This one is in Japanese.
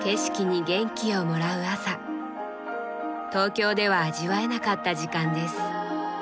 東京では味わえなかった時間です。